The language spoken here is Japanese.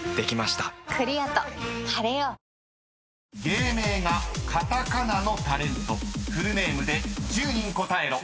［芸名がカタカナのタレントフルネームで１０人答えろ］